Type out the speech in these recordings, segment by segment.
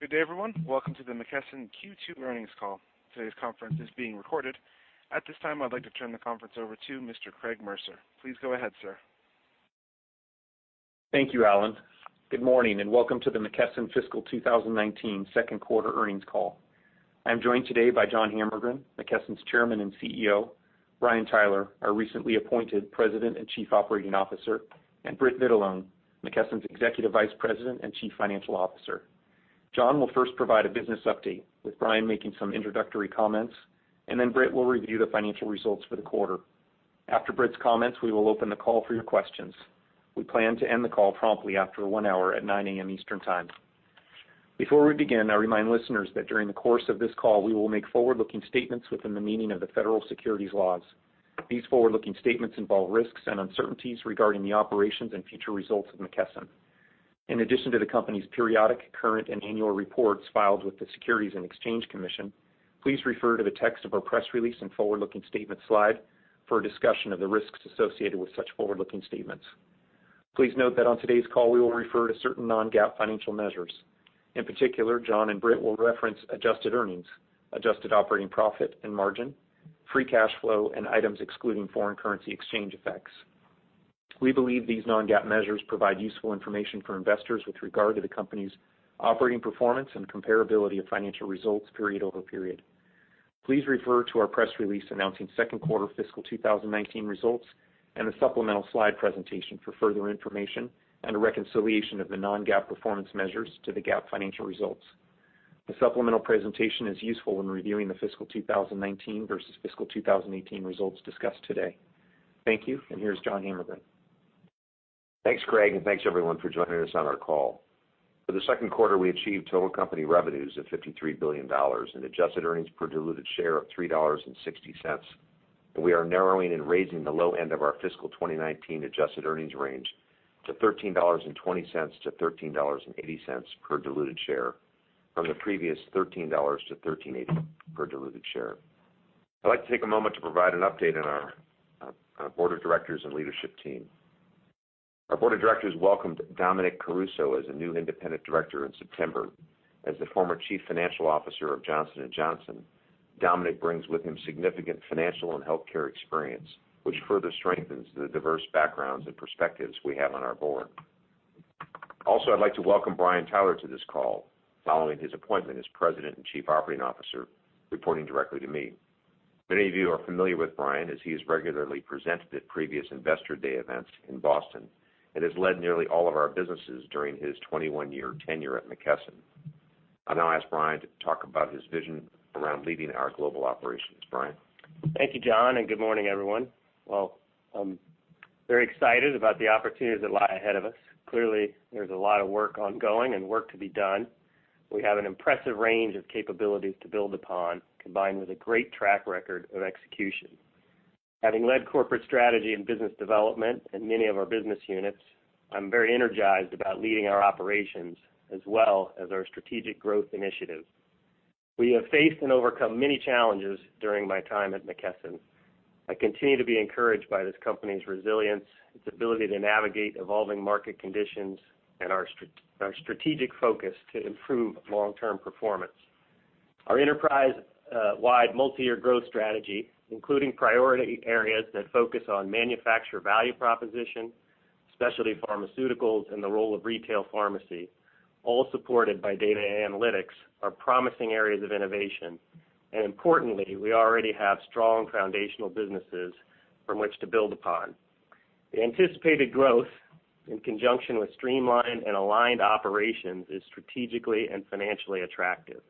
Good day, everyone. Welcome to the McKesson Q2 earnings call. Today's conference is being recorded. At this time, I'd like to turn the conference over to Mr. Craig Mercer. Please go ahead, sir. Thank you, Alan. Good morning, and welcome to the McKesson fiscal 2019 second quarter earnings call. I am joined today by John Hammergren, McKesson's Chairman and CEO, Brian Tyler, our recently appointed President and Chief Operating Officer, and Britt Vitalone, McKesson's Executive Vice President and Chief Financial Officer. John will first provide a business update, with Brian making some introductory comments, and Britt will review the financial results for the quarter. After Britt's comments, we will open the call for your questions. We plan to end the call promptly after one hour at 9:00 A.M. Eastern Time. Before we begin, I remind listeners that during the course of this call, we will make forward-looking statements within the meaning of the federal securities laws. These forward-looking statements involve risks and uncertainties regarding the operations and future results of McKesson. In addition to the company's periodic, current, and annual reports filed with the Securities and Exchange Commission, please refer to the text of our press release and forward-looking statements slide for a discussion of the risks associated with such forward-looking statements. Please note that on today's call, we will refer to certain non-GAAP financial measures. In particular, John and Britt will reference adjusted earnings, adjusted operating profit and margin, free cash flow, and items excluding foreign currency exchange effects. We believe these non-GAAP measures provide useful information for investors with regard to the company's operating performance and comparability of financial results period over period. Please refer to our press release announcing second quarter fiscal 2019 results and the supplemental slide presentation for further information and a reconciliation of the non-GAAP performance measures to the GAAP financial results. The supplemental presentation is useful when reviewing the fiscal 2019 versus fiscal 2018 results discussed today. Thank you, and here's John Hammergren. Thanks, Craig, and thanks, everyone, for joining us on our call. For the second quarter, we achieved total company revenues of $53 billion and adjusted earnings per diluted share of $3.60. We are narrowing and raising the low end of our fiscal 2019 adjusted earnings range to $13.20-$13.80 per diluted share from the previous $13-$13.80 per diluted share. I'd like to take a moment to provide an update on our board of directors and leadership team. Our board of directors welcomed Dominic Caruso as a new independent director in September. As the former Chief Financial Officer of Johnson & Johnson, Dominic brings with him significant financial and healthcare experience, which further strengthens the diverse backgrounds and perspectives we have on our board. Also, I'd like to welcome Brian Tyler to this call following his appointment as President and Chief Operating Officer, reporting directly to me. Many of you are familiar with Brian, as he has regularly presented at previous Investor Day events in Boston and has led nearly all of our businesses during his 21-year tenure at McKesson. I'll now ask Brian to talk about his vision around leading our global operations. Brian? Thank you, John, and good morning, everyone. Well, I'm very excited about the opportunities that lie ahead of us. Clearly, there's a lot of work ongoing and work to be done. We have an impressive range of capabilities to build upon, combined with a great track record of execution. Having led corporate strategy and business development in many of our business units, I'm very energized about leading our operations as well as our strategic growth initiatives. We have faced and overcome many challenges during my time at McKesson. I continue to be encouraged by this company's resilience, its ability to navigate evolving market conditions, and our strategic focus to improve long-term performance. Our enterprise-wide multi-year growth strategy, including priority areas that focus on manufacturer value proposition, specialty pharmaceuticals, and the role of retail pharmacy, all supported by data and analytics, are promising areas of innovation. Importantly, we already have strong foundational businesses from which to build upon. The anticipated growth, in conjunction with streamlined and aligned operations, is strategically and financially attractive.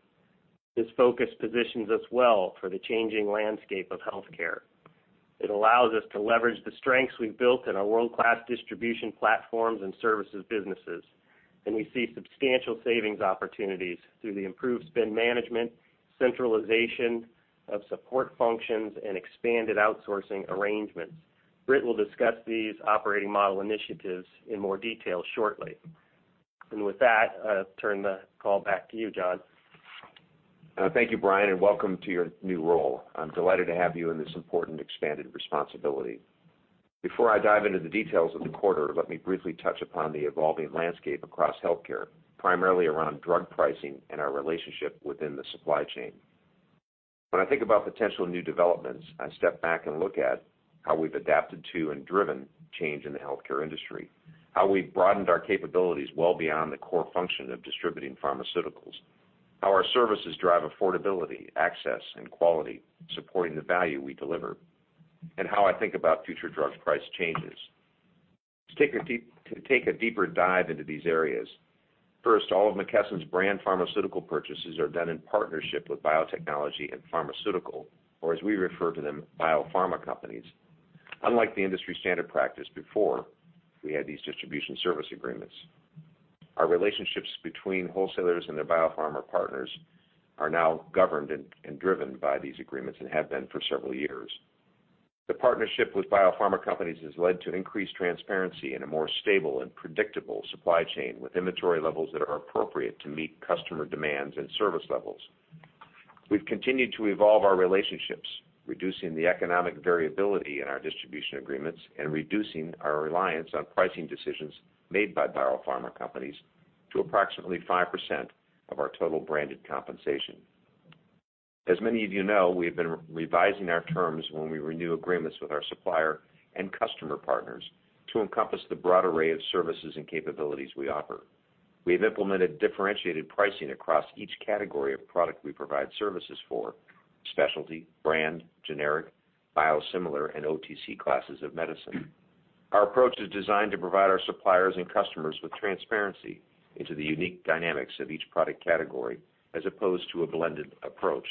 This focus positions us well for the changing landscape of healthcare. It allows us to leverage the strengths we've built in our world-class distribution platforms and services businesses, we see substantial savings opportunities through the improved spend management, centralization of support functions, and expanded outsourcing arrangements. Britt will discuss these operating model initiatives in more detail shortly. With that, I'll turn the call back to you, John. Thank you, Brian, and welcome to your new role. I'm delighted to have you in this important expanded responsibility. Before I dive into the details of the quarter, let me briefly touch upon the evolving landscape across healthcare, primarily around drug pricing and our relationship within the supply chain. When I think about potential new developments, I step back and look at how we've adapted to and driven change in the healthcare industry, how we've broadened our capabilities well beyond the core function of distributing pharmaceuticals, how our services drive affordability, access, and quality, supporting the value we deliver, and how I think about future drug price changes. To take a deeper dive into these areas, first, all of McKesson's brand pharmaceutical purchases are done in partnership with biotechnology and pharmaceutical, or as we refer to them, biopharma companies. Unlike the industry-standard practice before, we had these distribution service agreements. Our relationships between wholesalers and their biopharma partners are now governed and driven by these agreements and have been for several years. The partnership with biopharma companies has led to increased transparency and a more stable and predictable supply chain with inventory levels that are appropriate to meet customer demands and service levels. We've continued to evolve our relationships, reducing the economic variability in our distribution agreements and reducing our reliance on pricing decisions made by biopharma companies to approximately 5% of our total branded compensation. As many of you know, we have been revising our terms when we renew agreements with our supplier and customer partners to encompass the broad array of services and capabilities we offer. We have implemented differentiated pricing across each category of product we provide services for: specialty, brand, generic, biosimilar, and OTC classes of medicine. Our approach is designed to provide our suppliers and customers with transparency into the unique dynamics of each product category as opposed to a blended approach.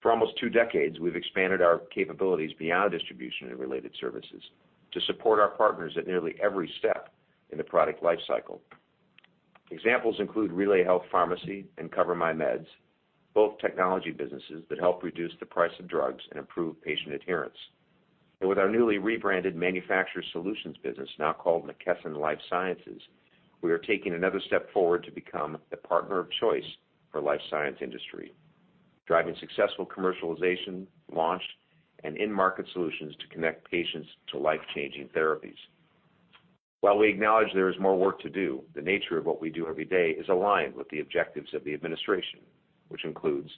For almost two decades, we've expanded our capabilities beyond distribution and related services to support our partners at nearly every step in the product life cycle. Examples include RelayHealth Pharmacy and CoverMyMeds, both technology businesses that help reduce the price of drugs and improve patient adherence. With our newly rebranded manufacturer solutions business, now called McKesson Life Sciences, we are taking another step forward to become the partner of choice for life science industry, driving successful commercialization, launch, and in-market solutions to connect patients to life-changing therapies. While we acknowledge there is more work to do, the nature of what we do every day is aligned with the objectives of the administration, which includes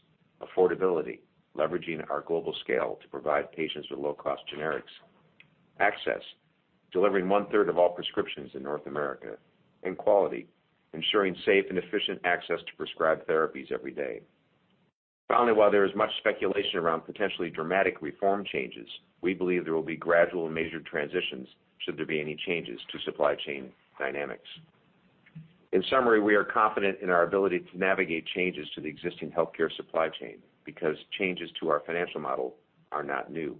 affordability, leveraging our global scale to provide patients with low-cost generics, access, delivering one-third of all prescriptions in North America, and quality, ensuring safe and efficient access to prescribed therapies every day. Finally, while there is much speculation around potentially dramatic reform changes, we believe there will be gradual and measured transitions, should there be any changes to supply chain dynamics. In summary, we are confident in our ability to navigate changes to the existing healthcare supply chain because changes to our financial model are not new.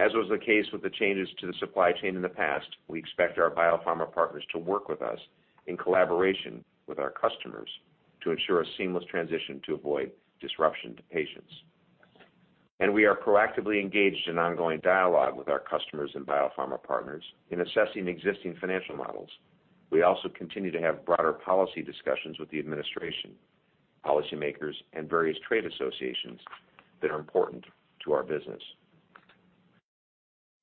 As was the case with the changes to the supply chain in the past, we expect our biopharma partners to work with us in collaboration with our customers to ensure a seamless transition to avoid disruption to patients. We are proactively engaged in ongoing dialogue with our customers and biopharma partners in assessing existing financial models. We also continue to have broader policy discussions with the administration, policymakers, and various trade associations that are important to our business.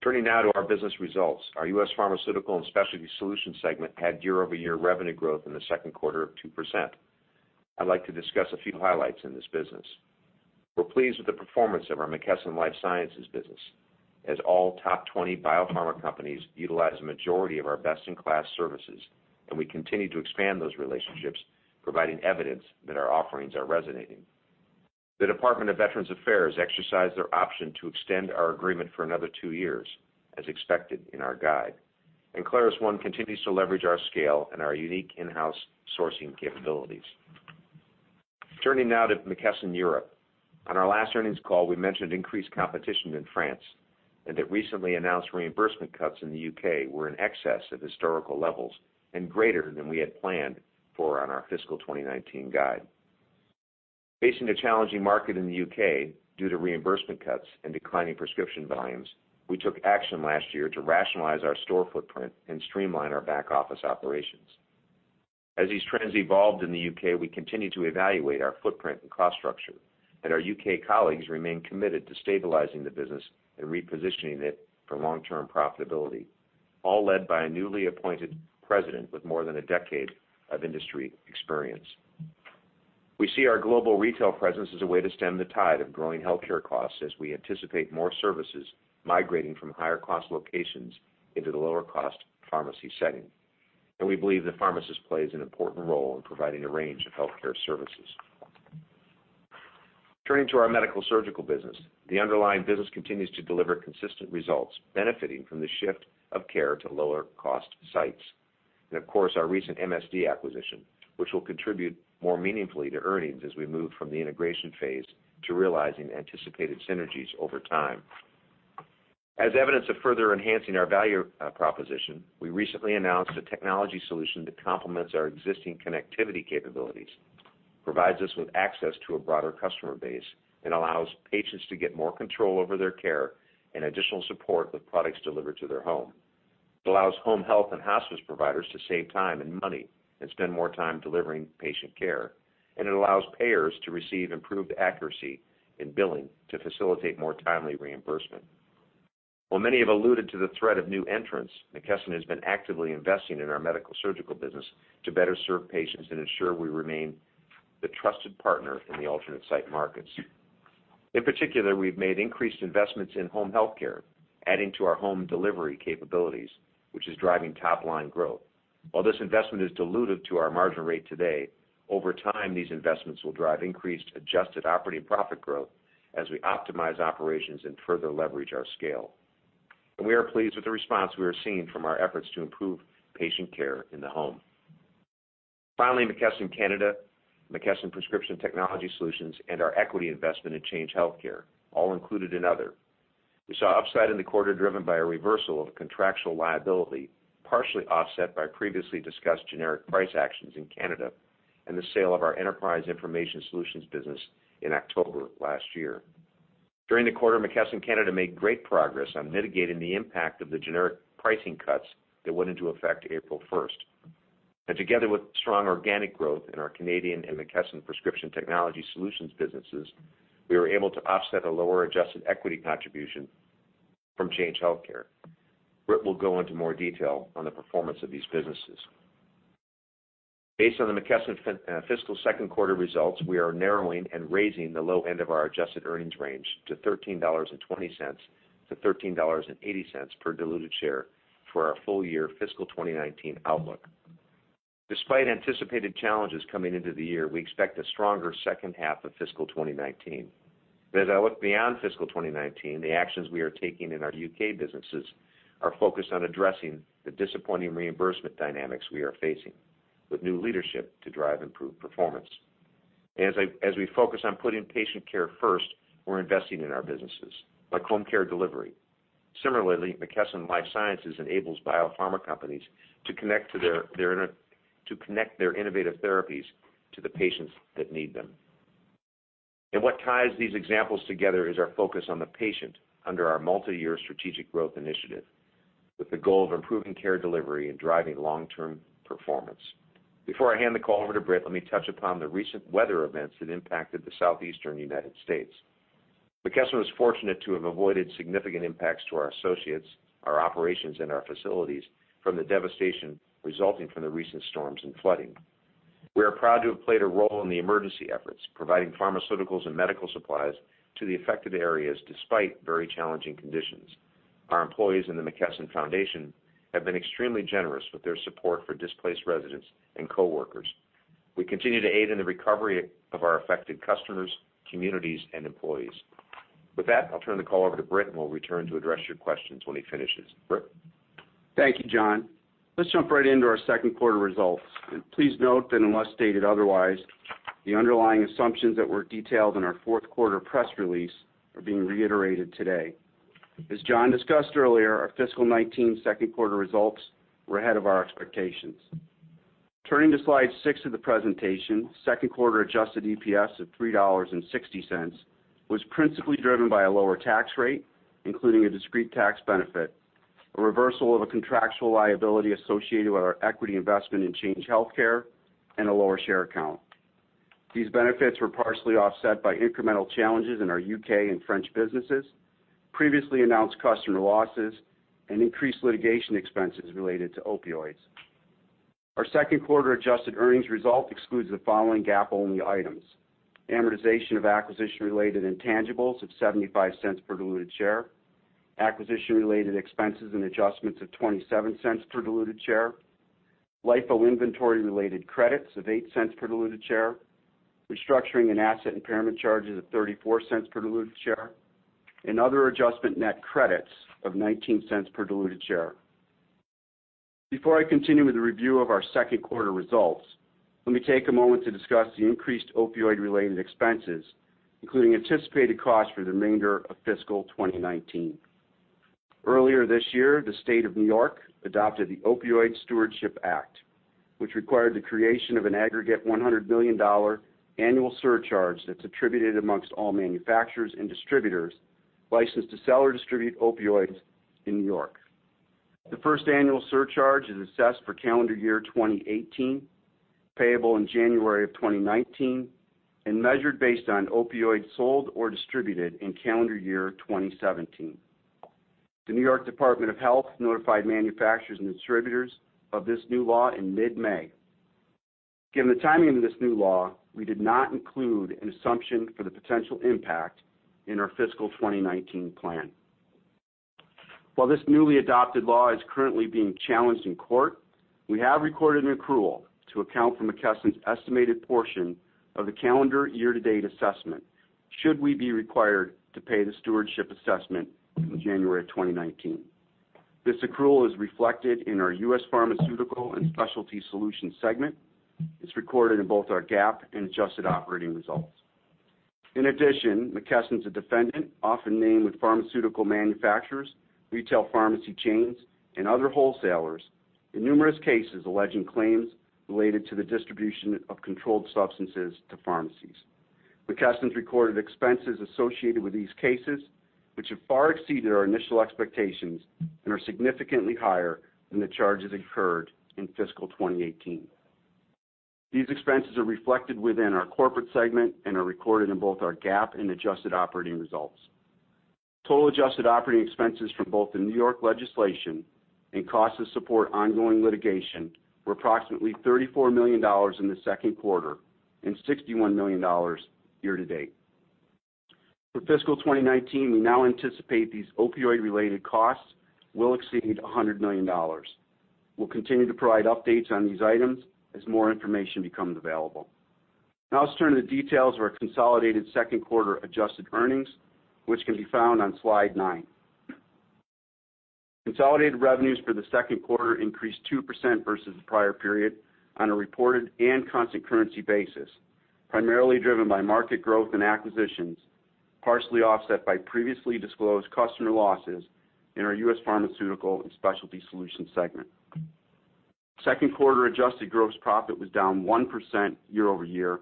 Turning now to our business results. Our U.S. Pharmaceutical and Specialty Solutions segment had year-over-year revenue growth in the second quarter of 2%. I'd like to discuss a few highlights in this business. We're pleased with the performance of our McKesson Life Sciences business, as all top 20 biopharma companies utilize the majority of our best-in-class services, and we continue to expand those relationships, providing evidence that our offerings are resonating. The Department of Veterans Affairs exercised their option to extend our agreement for another two years, as expected in our guide. ClarusONE continues to leverage our scale and our unique in-house sourcing capabilities. Turning now to McKesson Europe. On our last earnings call, we mentioned increased competition in France, that recently announced reimbursement cuts in the U.K. were in excess of historical levels and greater than we had planned for on our fiscal 2019 guide. Facing a challenging market in the U.K. due to reimbursement cuts and declining prescription volumes, we took action last year to rationalize our store footprint and streamline our back-office operations. As these trends evolved in the U.K., we continued to evaluate our footprint and cost structure, our U.K. colleagues remain committed to stabilizing the business and repositioning it for long-term profitability, all led by a newly appointed president with more than a decade of industry experience. We see our global retail presence as a way to stem the tide of growing healthcare costs as we anticipate more services migrating from higher-cost locations into the lower-cost pharmacy setting. We believe the pharmacist plays an important role in providing a range of healthcare services. Turning to our Medical-Surgical business. The underlying business continues to deliver consistent results, benefiting from the shift of care to lower-cost sites. Of course, our recent MSD acquisition, which will contribute more meaningfully to earnings as we move from the integration phase to realizing anticipated synergies over time. As evidence of further enhancing our value proposition, we recently announced a technology solution that complements our existing connectivity capabilities, provides us with access to a broader customer base, and allows patients to get more control over their care and additional support with products delivered to their home. It allows home health and hospice providers to save time and money and spend more time delivering patient care. It allows payers to receive improved accuracy in billing to facilitate more timely reimbursement. While many have alluded to the threat of new entrants, McKesson has been actively investing in our Medical-Surgical business to better serve patients and ensure we remain the trusted partner in the alternate site markets. In particular, we've made increased investments in home healthcare, adding to our home delivery capabilities, which is driving top-line growth. While this investment is dilutive to our margin rate today, over time, these investments will drive increased adjusted operating profit growth as we optimize operations and further leverage our scale. We are pleased with the response we are seeing from our efforts to improve patient care in the home. Finally, McKesson Canada, McKesson Prescription Technology Solutions, and our equity investment in Change Healthcare, all included in Other. We saw upside in the quarter driven by a reversal of contractual liability, partially offset by previously discussed generic price actions in Canada and the sale of our Enterprise Information Solutions business in October last year. During the quarter, McKesson Canada made great progress on mitigating the impact of the generic pricing cuts that went into effect April 1st. Together with strong organic growth in our Canadian and McKesson Prescription Technology Solutions businesses, we were able to offset a lower adjusted equity contribution from Change Healthcare. Britt will go into more detail on the performance of these businesses. Based on the McKesson fiscal second quarter results, we are narrowing and raising the low end of our adjusted earnings range to $13.20 to $13.80 per diluted share for our full-year fiscal 2019 outlook. Despite anticipated challenges coming into the year, we expect a stronger second half of fiscal 2019. As I look beyond fiscal 2019, the actions we are taking in our U.K. businesses are focused on addressing the disappointing reimbursement dynamics we are facing, with new leadership to drive improved performance. As we focus on putting patient care first, we're investing in our businesses, like home care delivery. Similarly, McKesson Life Sciences enables biopharma companies to connect their innovative therapies to the patients that need them. What ties these examples together is our focus on the patient under our multi-year strategic growth initiative, with the goal of improving care delivery and driving long-term performance. Before I hand the call over to Britt, let me touch upon the recent weather events that impacted the Southeastern U.S. McKesson was fortunate to have avoided significant impacts to our associates, our operations, and our facilities from the devastation resulting from the recent storms and flooding. We are proud to have played a role in the emergency efforts, providing pharmaceuticals and medical supplies to the affected areas, despite very challenging conditions. Our employees in the McKesson Foundation have been extremely generous with their support for displaced residents and coworkers. We continue to aid in the recovery of our affected customers, communities, and employees. With that, I'll turn the call over to Britt, and we'll return to address your questions when he finishes. Britt? Thank you, John. Let's jump right into our second quarter results. Please note that unless stated otherwise, the underlying assumptions that were detailed in our fourth quarter press release are being reiterated today. As John discussed earlier, our fiscal 2019 second quarter results were ahead of our expectations. Turning to slide six of the presentation, second quarter adjusted EPS of $3.60 was principally driven by a lower tax rate, including a discrete tax benefit, a reversal of a contractual liability associated with our equity investment in Change Healthcare, and a lower share count. These benefits were partially offset by incremental challenges in our U.K. and French businesses, previously announced customer losses, and increased litigation expenses related to opioids. Our second quarter adjusted earnings result excludes the following GAAP-only items: amortization of acquisition-related intangibles of $0.75 per diluted share, acquisition-related expenses and adjustments of $0.27 per diluted share, LIFO inventory-related credits of $0.08 per diluted share, restructuring and asset impairment charges of $0.34 per diluted share, and other adjustment net credits of $0.19 per diluted share. Before I continue with the review of our second quarter results, let me take a moment to discuss the increased opioid-related expenses, including anticipated costs for the remainder of fiscal 2019. Earlier this year, the State of New York adopted the Opioid Stewardship Act, which required the creation of an aggregate $100 million annual surcharge that's attributed amongst all manufacturers and distributors licensed to sell or distribute opioids in New York. The first annual surcharge is assessed for calendar year 2018, payable in January of 2019, and measured based on opioids sold or distributed in calendar year 2017. The New York Department of Health notified manufacturers and distributors of this new law in mid-May. Given the timing of this new law, we did not include an assumption for the potential impact in our fiscal 2019 plan. While this newly adopted law is currently being challenged in court, we have recorded an accrual to account for McKesson's estimated portion of the calendar year-to-date assessment should we be required to pay the stewardship assessment in January of 2019. This accrual is reflected in our U.S. Pharmaceutical and Specialty Solutions segment. It's recorded in both our GAAP and adjusted operating results. In addition, McKesson's a defendant, often named with pharmaceutical manufacturers, retail pharmacy chains, and other wholesalers in numerous cases alleging claims related to the distribution of controlled substances to pharmacies. McKesson's recorded expenses associated with these cases, which have far exceeded our initial expectations and are significantly higher than the charges incurred in fiscal 2018. These expenses are reflected within our corporate segment and are recorded in both our GAAP and adjusted operating results. Total adjusted operating expenses from both the New York legislation and costs to support ongoing litigation were approximately $34 million in the second quarter and $61 million year-to-date. For fiscal 2019, we now anticipate these opioid-related costs will exceed $100 million. We'll continue to provide updates on these items as more information becomes available. Let's turn to the details of our consolidated second quarter adjusted earnings, which can be found on slide nine. Consolidated revenues for the second quarter increased 2% versus the prior period on a reported and constant currency basis, primarily driven by market growth and acquisitions, partially offset by previously disclosed customer losses in our U.S. Pharmaceutical and Specialty Solutions segment. Second quarter adjusted gross profit was down 1% year-over-year,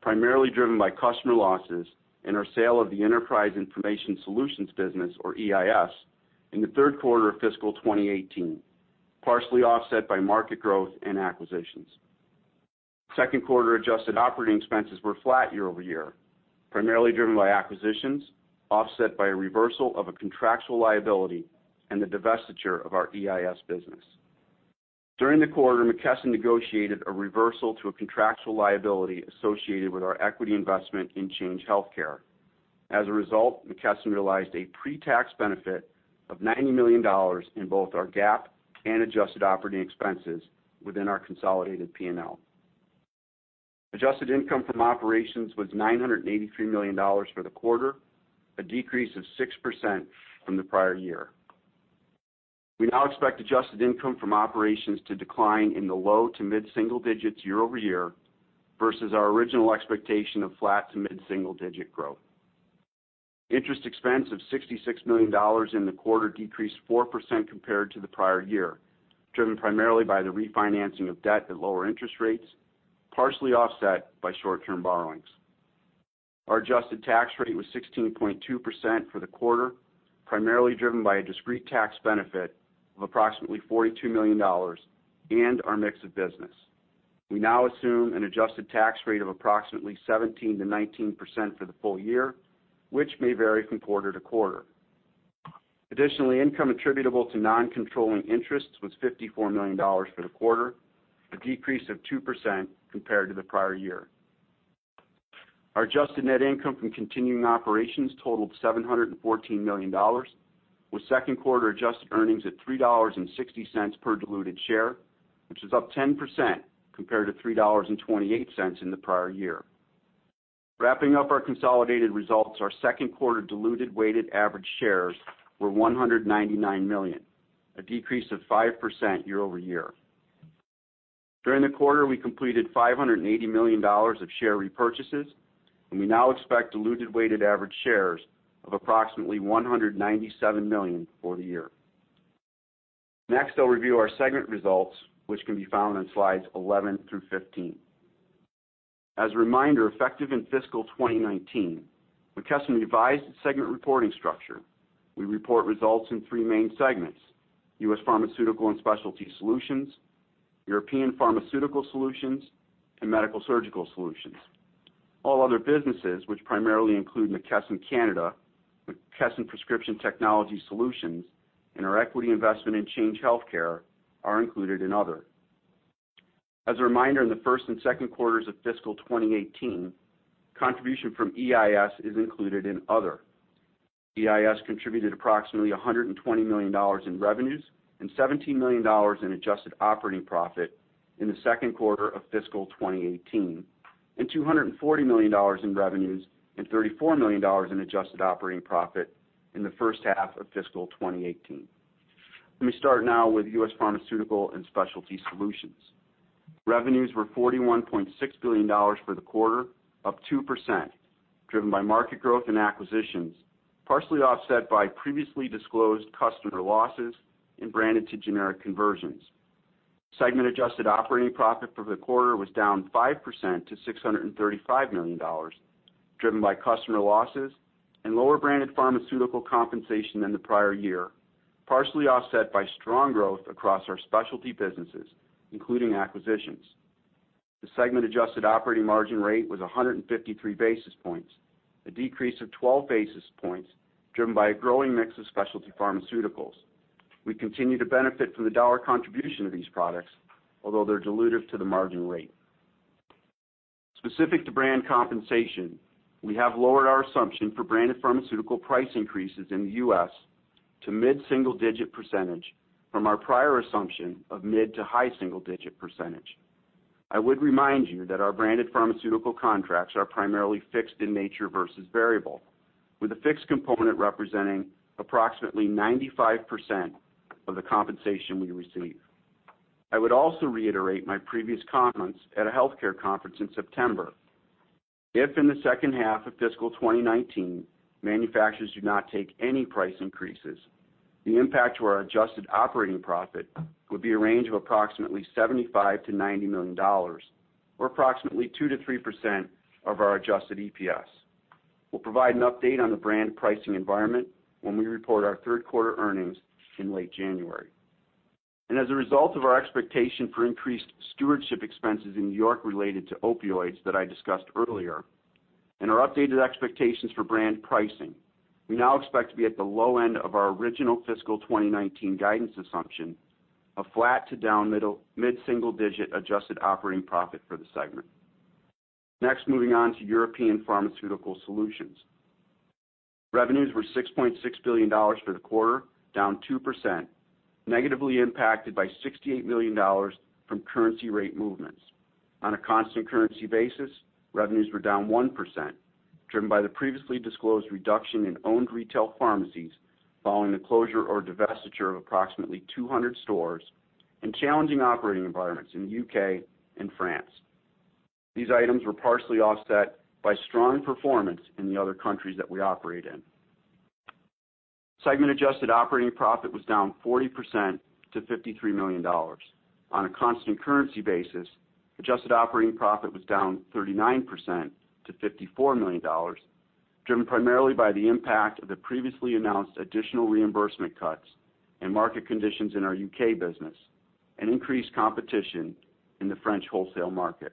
primarily driven by customer losses and our sale of the Enterprise Information Solutions business, or EIS, in the third quarter of fiscal 2018, partially offset by market growth and acquisitions. Second quarter adjusted operating expenses were flat year-over-year, primarily driven by acquisitions, offset by a reversal of a contractual liability and the divestiture of our EIS business. During the quarter, McKesson negotiated a reversal to a contractual liability associated with our equity investment in Change Healthcare. As a result, McKesson realized a pre-tax benefit of $90 million in both our GAAP and adjusted operating expenses within our consolidated P&L. Adjusted income from operations was $983 million for the quarter, a decrease of 6% from the prior year. We now expect adjusted income from operations to decline in the low to mid-single digits year-over-year, versus our original expectation of flat to mid-single digit growth. Interest expense of $66 million in the quarter decreased 4% compared to the prior year, driven primarily by the refinancing of debt at lower interest rates, partially offset by short-term borrowings. Our adjusted tax rate was 16.2% for the quarter, primarily driven by a discrete tax benefit of approximately $42 million, and our mix of business. We now assume an adjusted tax rate of approximately 17%-19% for the full year, which may vary from quarter-to-quarter. Additionally, income attributable to non-controlling interests was $54 million for the quarter, a decrease of 2% compared to the prior year. Our adjusted net income from continuing operations totaled $714 million, with second quarter adjusted earnings at $3.60 per diluted share, which was up 10% compared to $3.28 in the prior year. Wrapping up our consolidated results, our second quarter diluted weighted average shares were 199 million, a decrease of 5% year-over-year. During the quarter, we completed $580 million of share repurchases, and we now expect diluted weighted average shares of approximately 197 million for the year. Next, I'll review our segment results, which can be found on slides 11 through 15. As a reminder, effective in fiscal 2019, McKesson revised its segment reporting structure. We report results in three main segments: U.S. Pharmaceutical and Specialty Solutions, European Pharmaceutical Solutions, and Medical-Surgical Solutions. All other businesses, which primarily include McKesson Canada, McKesson Prescription Technology Solutions, and our equity investment in Change Healthcare, are included in Other. As a reminder, in the first and second quarters of fiscal 2018, contribution from EIS is included in Other. EIS contributed approximately $120 million in revenues and $17 million in adjusted operating profit in the second quarter of fiscal 2018, and $240 million in revenues and $34 million in adjusted operating profit in the first half of fiscal 2018. Let me start now with U.S. Pharmaceutical and Specialty Solutions. Revenues were $41.6 billion for the quarter, up 2%, driven by market growth and acquisitions, partially offset by previously disclosed customer losses and branded to generic conversions. Segment adjusted operating profit for the quarter was down 5% to $635 million, driven by customer losses and lower branded pharmaceutical compensation than the prior year, partially offset by strong growth across our specialty businesses, including acquisitions. The segment adjusted operating margin rate was 153 basis points, a decrease of 12 basis points driven by a growing mix of specialty pharmaceuticals. We continue to benefit from the dollar contribution of these products, although they're dilutive to the margin rate. Specific to brand compensation, we have lowered our assumption for branded pharmaceutical price increases in the U.S. to mid-single digit % from our prior assumption of mid to high single digit %. I would remind you that our branded pharmaceutical contracts are primarily fixed in nature versus variable, with a fixed component representing approximately 95% of the compensation we receive. I would also reiterate my previous comments at a healthcare conference in September. If in the second half of fiscal 2019, manufacturers do not take any price increases, the impact to our adjusted operating profit would be a range of approximately $75 million-$90 million, or approximately 2%-3% of our adjusted EPS. We'll provide an update on the brand pricing environment when we report our third quarter earnings in late January. As a result of our expectation for increased stewardship expenses in New York related to opioids that I discussed earlier, and our updated expectations for brand pricing, we now expect to be at the low end of our original fiscal 2019 guidance assumption of flat to down mid-single digit % adjusted operating profit for the segment. Next, moving on to European Pharmaceutical Solutions. Revenues were $6.6 billion for the quarter, down 2%, negatively impacted by $68 million from currency rate movements. On a constant currency basis, revenues were down 1%, driven by the previously disclosed reduction in owned retail pharmacies following the closure or divestiture of approximately 200 stores and challenging operating environments in the U.K. and France. These items were partially offset by strong performance in the other countries that we operate in. Segment adjusted operating profit was down 40% to $53 million. On a constant currency basis, adjusted operating profit was down 39% to $54 million, driven primarily by the impact of the previously announced additional reimbursement cuts and market conditions in our U.K. business, and increased competition in the French wholesale market.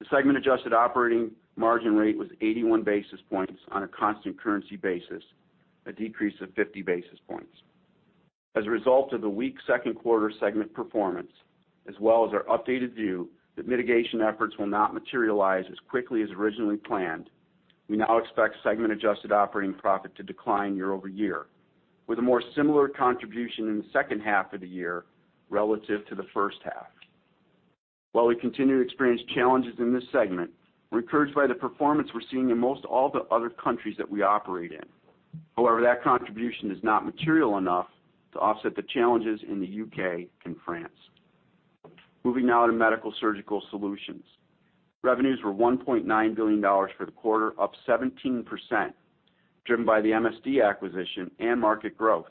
The segment adjusted operating margin rate was 81 basis points on a constant currency basis, a decrease of 50 basis points. As a result of the weak second quarter segment performance, as well as our updated view that mitigation efforts will not materialize as quickly as originally planned, we now expect segment adjusted operating profit to decline year-over-year, with a more similar contribution in the second half of the year relative to the first half. While we continue to experience challenges in this segment, we're encouraged by the performance we're seeing in most all the other countries that we operate in. However, that contribution is not material enough to offset the challenges in the U.K. and France. Moving now to Medical-Surgical Solutions. Revenues were $1.9 billion for the quarter, up 17%, driven by the MSD acquisition and market growth.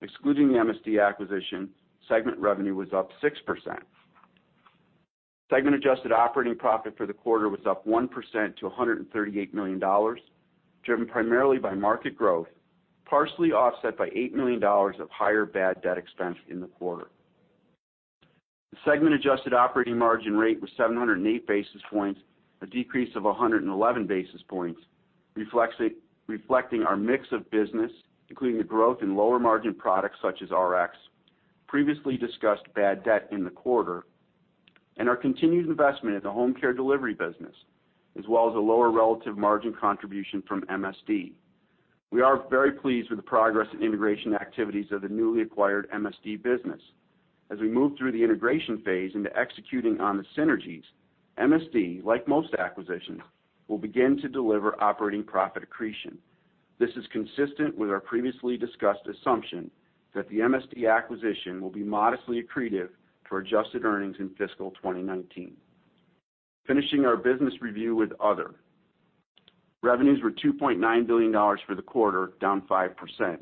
Excluding the MSD acquisition, segment revenue was up 6%. Segment adjusted operating profit for the quarter was up 1% to $138 million, driven primarily by market growth, partially offset by $8 million of higher bad debt expense in the quarter. The segment adjusted operating margin rate was 708 basis points, a decrease of 111 basis points, reflecting our mix of business, including the growth in lower-margin products such as Rx, previously discussed bad debt in the quarter, and our continued investment in the home care delivery business, as well as a lower relative margin contribution from MSD. We are very pleased with the progress and integration activities of the newly acquired MSD business. As we move through the integration phase into executing on the synergies, MSD, like most acquisitions, will begin to deliver operating profit accretion. This is consistent with our previously discussed assumption that the MSD acquisition will be modestly accretive to our adjusted earnings in fiscal 2019. Finishing our business review with Other. Revenues were $2.9 billion for the quarter, down 5%.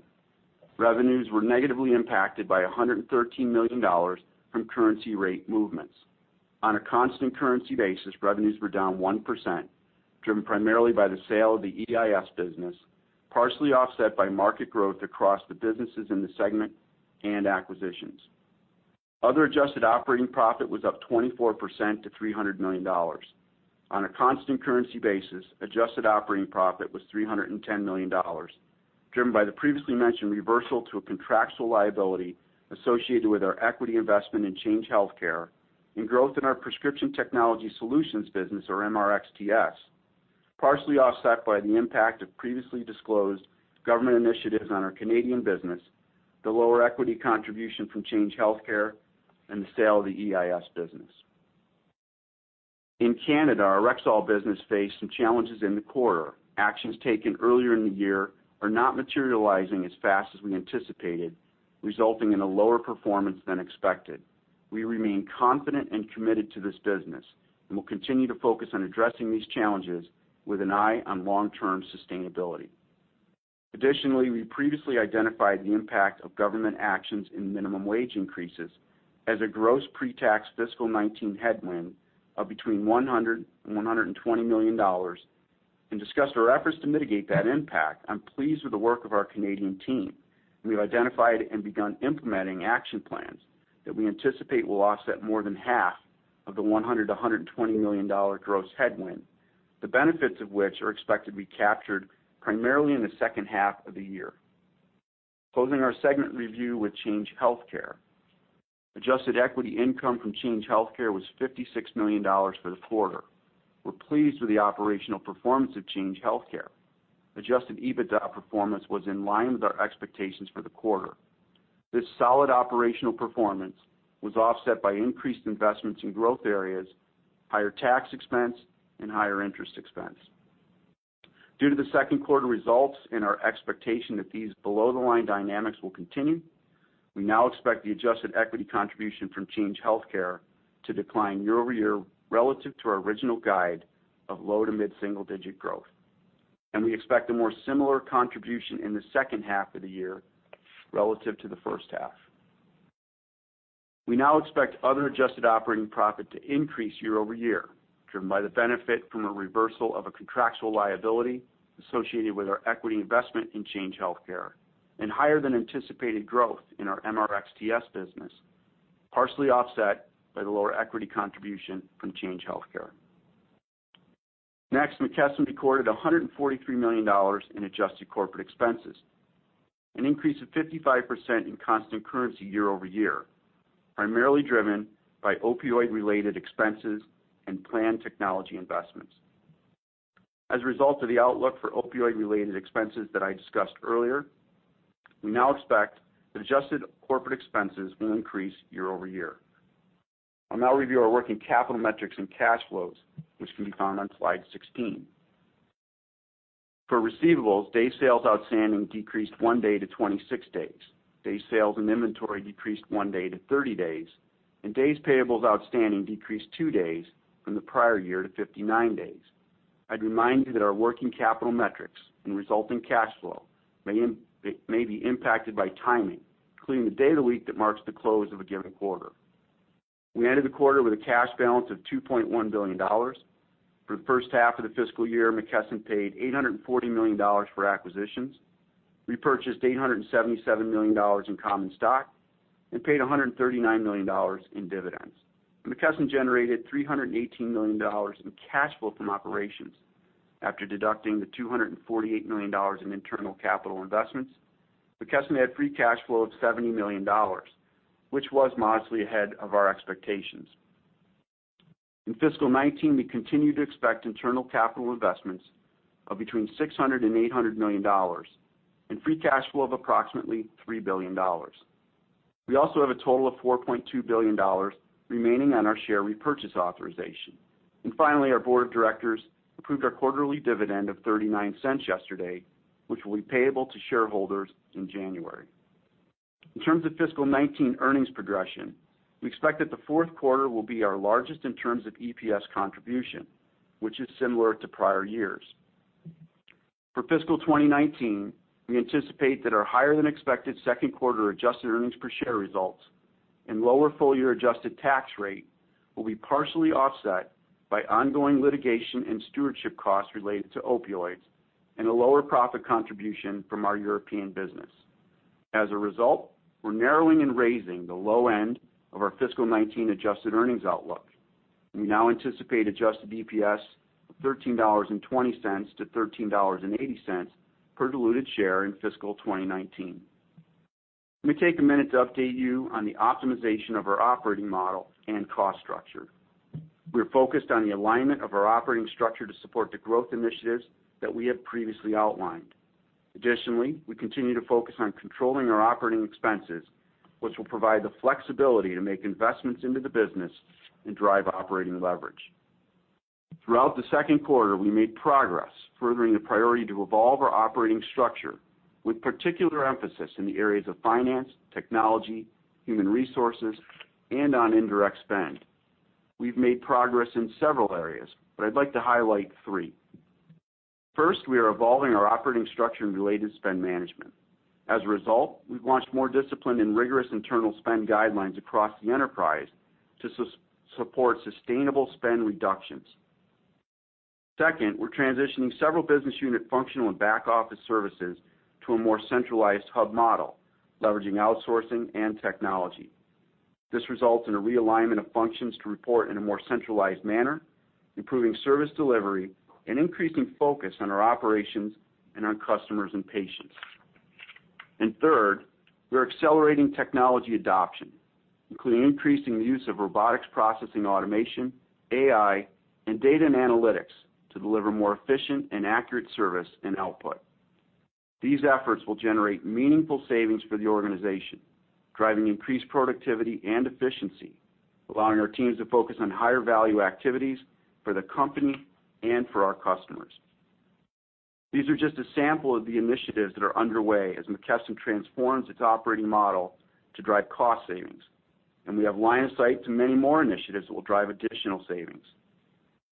Revenues were negatively impacted by $113 million from currency rate movements. On a constant currency basis, revenues were down 1%, driven primarily by the sale of the EIS business, partially offset by market growth across the businesses in the segment and acquisitions. Other adjusted operating profit was up 24% to $300 million. On a constant currency basis, adjusted operating profit was $310 million, driven by the previously mentioned reversal to a contractual liability associated with our equity investment in Change Healthcare and growth in our McKesson Prescription Technology Solutions business or MRxTS, partially offset by the impact of previously disclosed government initiatives on our Canadian business, the lower equity contribution from Change Healthcare, and the sale of the EIS business. In Canada, our Rexall business faced some challenges in the quarter. Actions taken earlier in the year are not materializing as fast as we anticipated, resulting in a lower performance than expected. We remain confident and committed to this business, will continue to focus on addressing these challenges with an eye on long-term sustainability. Additionally, we previously identified the impact of government actions in minimum wage increases as a gross pre-tax fiscal 2019 headwind of between $100 million and $120 million, discussed our efforts to mitigate that impact. I'm pleased with the work of our Canadian team. We've identified and begun implementing action plans that we anticipate will offset more than half of the $100 million-$120 million gross headwind, the benefits of which are expected to be captured primarily in the second half of the year. Closing our segment review with Change Healthcare. Adjusted equity income from Change Healthcare was $56 million for the quarter. We're pleased with the operational performance of Change Healthcare. Adjusted EBITDA performance was in line with our expectations for the quarter. This solid operational performance was offset by increased investments in growth areas, higher tax expense, and higher interest expense. Due to the second quarter results and our expectation that these below-the-line dynamics will continue, we now expect the adjusted equity contribution from Change Healthcare to decline year-over-year relative to our original guide of low to mid-single digit growth. We expect a more similar contribution in the second half of the year relative to the first half. We now expect other adjusted operating profit to increase year-over-year, driven by the benefit from a reversal of a contractual liability associated with our equity investment in Change Healthcare and higher than anticipated growth in our MRxTS business, partially offset by the lower equity contribution from Change Healthcare. McKesson recorded $143 million in adjusted corporate expenses, an increase of 55% in constant currency year-over-year, primarily driven by opioid-related expenses and planned technology investments. As a result of the outlook for opioid-related expenses that I discussed earlier, we now expect adjusted corporate expenses will increase year-over-year. I'll now review our working capital metrics and cash flows, which can be found on slide 16. For receivables, days sales outstanding decreased one day to 26 days. Days sales and inventory decreased one day to 30 days, and days payables outstanding decreased two days from the prior year to 59 days. I'd remind you that our working capital metrics and resulting cash flow may be impacted by timing, including the day of the week that marks the close of a given quarter. We ended the quarter with a cash balance of $2.1 billion. For the first half of the fiscal year, McKesson paid $840 million for acquisitions. We purchased $877 million in common stock and paid $139 million in dividends. McKesson generated $318 million in cash flow from operations. After deducting the $248 million in internal capital investments, McKesson had free cash flow of $70 million, which was modestly ahead of our expectations. In fiscal 2019, we continue to expect internal capital investments of between $600 million and $800 million and free cash flow of approximately $3 billion. We also have a total of $4.2 billion remaining on our share repurchase authorization. Finally, our board of directors approved our quarterly dividend of $0.39 yesterday, which will be payable to shareholders in January. In terms of fiscal 2019 earnings progression, we expect that the fourth quarter will be our largest in terms of EPS contribution, which is similar to prior years. For fiscal 2019, we anticipate that our higher than expected second quarter adjusted earnings per share results and lower full-year adjusted tax rate will be partially offset by ongoing litigation and stewardship costs related to opioids and a lower profit contribution from our European business. As a result, we're narrowing and raising the low end of our fiscal 2019 adjusted earnings outlook. We now anticipate adjusted EPS of $13.20 to $13.80 per diluted share in fiscal 2019. Let me take a minute to update you on the optimization of our operating model and cost structure. We're focused on the alignment of our operating structure to support the growth initiatives that we have previously outlined. Additionally, we continue to focus on controlling our operating expenses, which will provide the flexibility to make investments into the business and drive operating leverage. Throughout the second quarter, we made progress furthering the priority to evolve our operating structure with particular emphasis in the areas of finance, technology, human resources, and on indirect spend. We've made progress in several areas, but I'd like to highlight three. First, we are evolving our operating structure and related spend management. As a result, we've launched more disciplined and rigorous internal spend guidelines across the enterprise to support sustainable spend reductions. Second, we're transitioning several business unit functional and back office services to a more centralized hub model, leveraging outsourcing and technology. This results in a realignment of functions to report in a more centralized manner, improving service delivery, and increasing focus on our operations and on customers and patients. Third, we are accelerating technology adoption, including increasing the use of robotic process automation, AI, and data and analytics to deliver more efficient and accurate service and output. These efforts will generate meaningful savings for the organization, driving increased productivity and efficiency, allowing our teams to focus on higher value activities for the company and for our customers. These are just a sample of the initiatives that are underway as McKesson transforms its operating model to drive cost savings. We have line of sight to many more initiatives that will drive additional savings.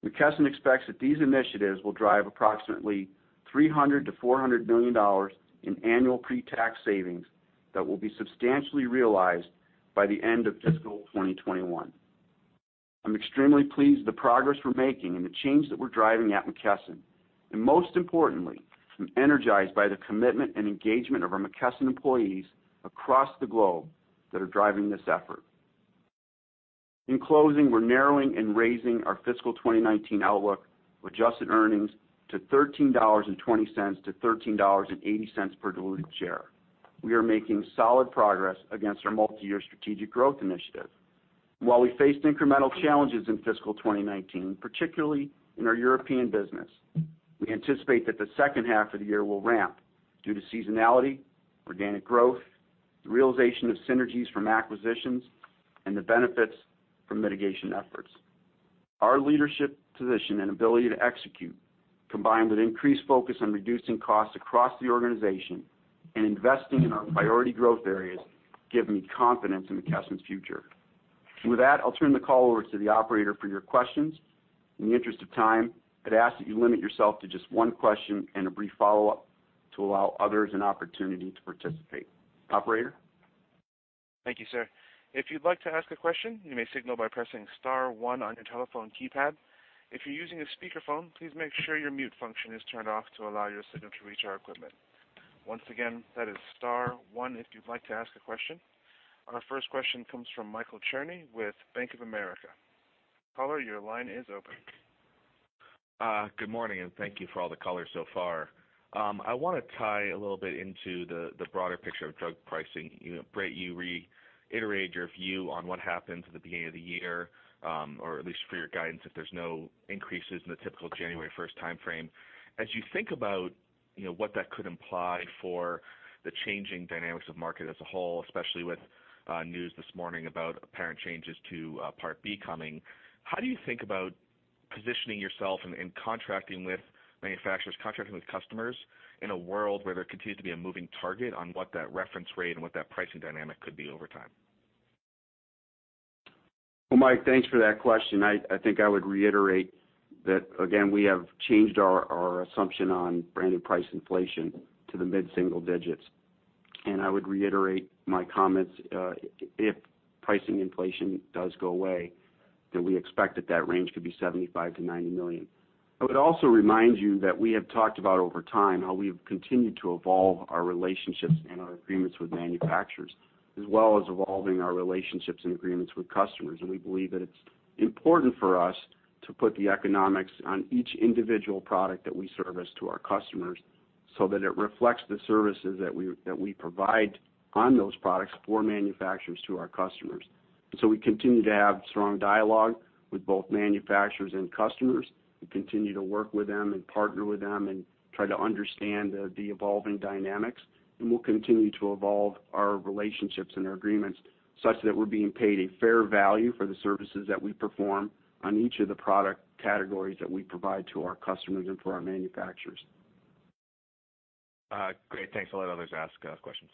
McKesson expects that these initiatives will drive approximately $300 million-$400 million in annual pre-tax savings that will be substantially realized by the end of fiscal 2021. I'm extremely pleased with the progress we're making and the change that we're driving at McKesson. Most importantly, I'm energized by the commitment and engagement of our McKesson employees across the globe that are driving this effort. In closing, we're narrowing and raising our fiscal 2019 outlook with adjusted earnings to $13.20-$13.80 per diluted share. We are making solid progress against our multi-year strategic growth initiative. While we faced incremental challenges in fiscal 2019, particularly in our European business, we anticipate that the second half of the year will ramp due to seasonality, organic growth, the realization of synergies from acquisitions, and the benefits from mitigation efforts. Our leadership position and ability to execute, combined with increased focus on reducing costs across the organization and investing in our priority growth areas, give me confidence in McKesson's future. With that, I'll turn the call over to the operator for your questions. In the interest of time, I'd ask that you limit yourself to just one question and a brief follow-up to allow others an opportunity to participate. Operator? Thank you, sir. If you'd like to ask a question, you may signal by pressing *1 on your telephone keypad. If you're using a speakerphone, please make sure your mute function is turned off to allow your signal to reach our equipment. Once again, that is *1 if you'd like to ask a question. Our first question comes from Michael Cherny with Bank of America. Caller, your line is open. Good morning. Thank you for all the color so far. I want to tie a little bit into the broader picture of drug pricing. Britt, you reiterated your view on what happened at the beginning of the year, or at least for your guidance, if there's no increases in the typical January 1st timeframe. As you think about what that could imply for the changing dynamics of market as a whole, especially with news this morning about apparent changes to Medicare Part B coming, how do you think about positioning yourself and contracting with manufacturers, contracting with customers in a world where there continues to be a moving target on what that reference rate and what that pricing dynamic could be over time? Well, Mike, thanks for that question. I think I would reiterate that, again, we have changed our assumption on branded price inflation to the mid-single digits. I would reiterate my comments, if pricing inflation does go away, then we expect that that range could be $75 million-$90 million. I would also remind you that we have talked about over time how we have continued to evolve our relationships and our agreements with manufacturers, as well as evolving our relationships and agreements with customers. We continue to have strong dialogue with both manufacturers and customers. We continue to work with them and partner with them and try to understand the evolving dynamics. We'll continue to evolve our relationships and our agreements such that we're being paid a fair value for the services that we perform on each of the product categories that we provide to our customers and to our manufacturers. Great. Thanks. I'll let others ask questions.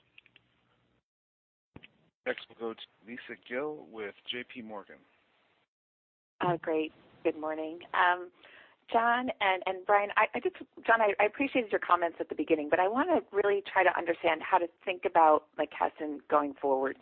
we'll go to Lisa Gill with JPMorgan. Great. Good morning. John and Brian. John, I appreciated your comments at the beginning, I want to really try to understand how to think about McKesson going forward.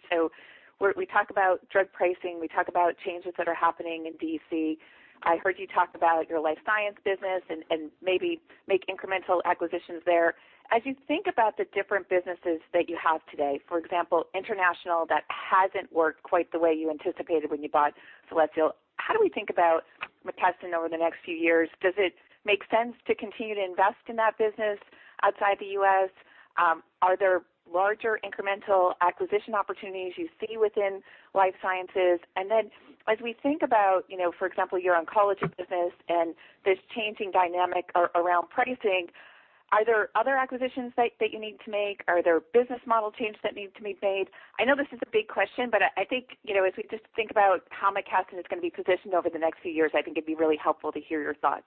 We talk about drug pricing, we talk about changes that are happening in D.C. I heard you talk about your Life Sciences business and maybe make incremental acquisitions there. As you think about the different businesses that you have today, for example, international, that hasn't worked quite the way you anticipated when you bought Celesio, how do we think about McKesson over the next few years? Does it make sense to continue to invest in that business outside the U.S.? Are there larger incremental acquisition opportunities you see within Life Sciences? As we think about, for example, your oncology business and this changing dynamic around pricing, are there other acquisitions that you need to make? Are there business model changes that need to be made? I know this is a big question, but I think, as we just think about how McKesson is going to be positioned over the next few years, I think it'd be really helpful to hear your thoughts.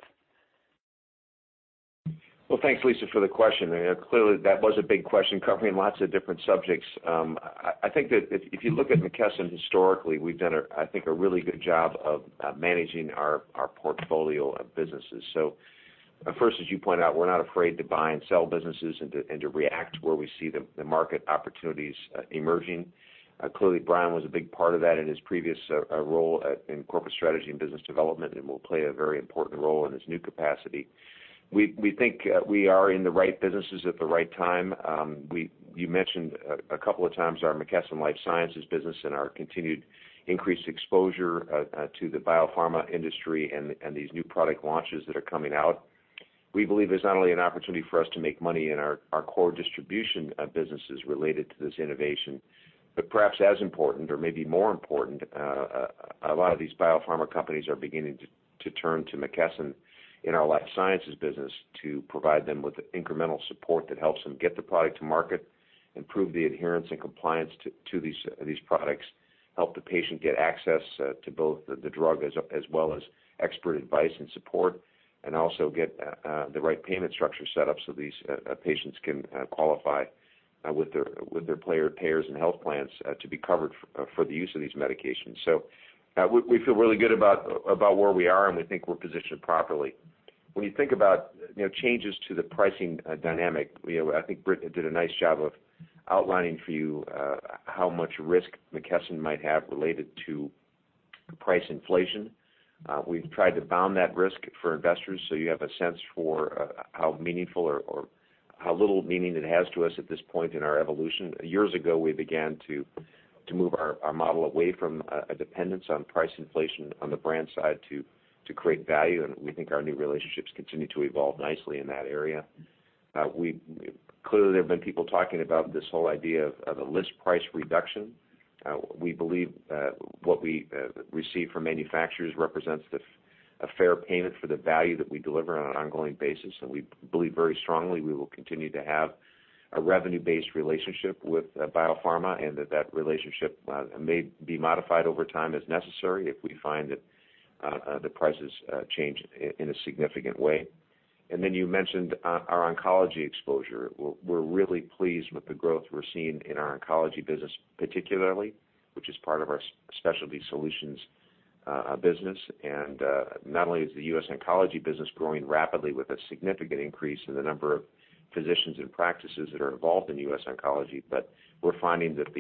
Well, thanks, Lisa, for the question. Clearly, that was a big question covering lots of different subjects. I think that if you look at McKesson historically, we've done, I think, a really good job of managing our portfolio of businesses. First, as you point out, we're not afraid to buy and sell businesses and to react where we see the market opportunities emerging. Clearly, Brian was a big part of that in his previous role in corporate strategy and business development and will play a very important role in his new capacity. We think we are in the right businesses at the right time. You mentioned a couple of times our McKesson Life Sciences business and our continued increased exposure to the biopharma industry and these new product launches that are coming out. We believe there's not only an opportunity for us to make money in our core distribution businesses related to this innovation, but perhaps as important or maybe more important, a lot of these biopharma companies are beginning to turn to McKesson in our Life Sciences business to provide them with incremental support that helps them get the product to market, improve the adherence and compliance to these products, help the patient get access to both the drug as well as expert advice and support, and also get the right payment structure set up so these patients can qualify with their payers and health plans to be covered for the use of these medications. We feel really good about where we are, and we think we're positioned properly. When you think about changes to the pricing dynamic, I think Britt did a nice job of outlining for you how much risk McKesson might have related to price inflation. We've tried to bound that risk for investors so you have a sense for how meaningful or how little meaning it has to us at this point in our evolution. Years ago, we began to move our model away from a dependence on price inflation on the brand side to create value. We think our new relationships continue to evolve nicely in that area. Clearly, there have been people talking about this whole idea of a list price reduction. We believe what we receive from manufacturers represents a fair payment for the value that we deliver on an ongoing basis. We believe very strongly we will continue to have a revenue-based relationship with biopharma, and that relationship may be modified over time as necessary if we find that the prices change in a significant way. You mentioned our oncology exposure. We're really pleased with the growth we're seeing in our oncology business, particularly, which is part of our Specialty Solutions business. Not only is the US Oncology business growing rapidly with a significant increase in the number of physicians and practices that are involved in US Oncology, but we're finding that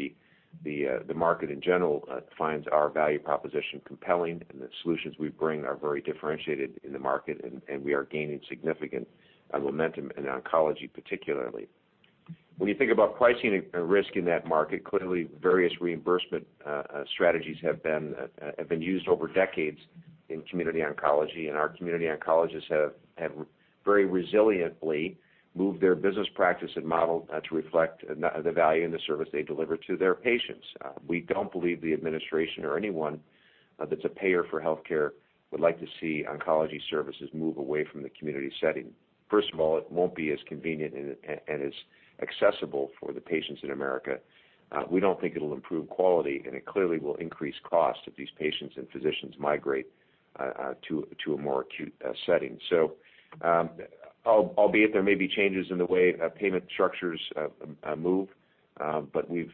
the market in general finds our value proposition compelling and the solutions we bring are very differentiated in the market. We are gaining significant momentum in oncology, particularly. When you think about pricing risk in that market, clearly various reimbursement strategies have been used over decades in community oncology. Our community oncologists have very resiliently moved their business practice and model to reflect the value and the service they deliver to their patients. We don't believe the administration or anyone that's a payer for healthcare would like to see oncology services move away from the community setting. First of all, it won't be as convenient and as accessible for the patients in America. We don't think it'll improve quality. It clearly will increase cost if these patients and physicians migrate to a more acute setting. Albeit there may be changes in the way payment structures move. We've